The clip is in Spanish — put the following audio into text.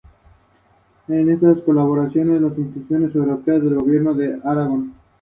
Permitiendo al hombre decidir la frecuencia y el momento para tener relaciones.